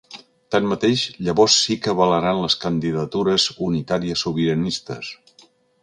Tanmateix, llavors sí que avalaran les candidatures unitàries sobiranistes.